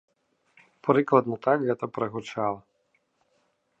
Прыкладна так гэта прагучала.